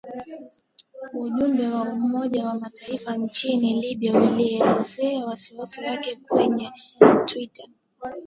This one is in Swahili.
Ujumbe wa Umoja wa Mataifa nchini Libya ulielezea wasiwasi wake kwenye twita